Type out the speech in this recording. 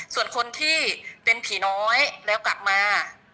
ส่วนคนที่เป็นผีน้อยแล้วกลับมา